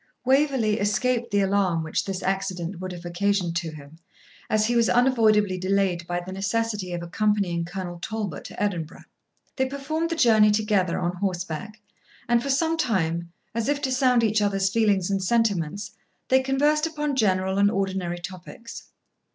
Waverley escaped the alarm which this accident would have occasioned to him, as he was unavoidably delayed by the necessity of accompanying Colonel Talbot to Edinburgh. They performed the journey together on horseback, and for some time, as if to sound each other's feelings and sentiments, they conversed upon general and ordinary topics.